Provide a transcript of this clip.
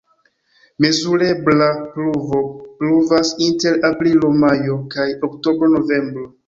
Mezurebla pluvo pluvas inter aprilo-majo kaj oktobro-novembro.